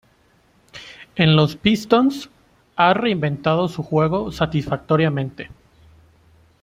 En los Pistons ha reinventado su juego satisfactoriamente.